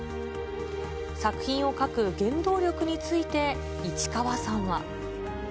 作品を書く原動力について市川さんは。